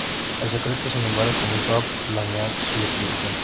En secreto, sin embargo, comenzó a planear su destitución.